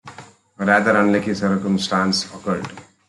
A rather unlucky circumstance occurred.